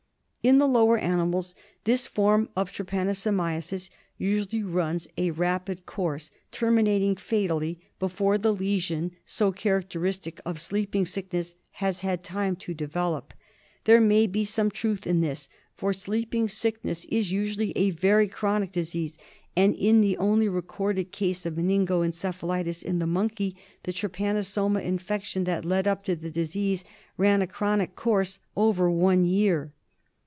In the lower animals this form of trypanosomiasis usually runs a rapid course, terminating fatally before the lesion so characteristic of Sleeping Sickness has had time to develop. There may be some truth in this, for Sleeping Sickness is usually a very chronic disease, and in the only recorded case of meningo encephalitis in the monkey the trypanosoma infection that led up to the disease ran a chronic course — over one year.